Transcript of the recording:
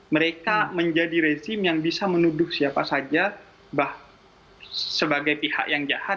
mereka menjadi rezim yang bisa menuduh siapa saja sebagai pihak yang jahat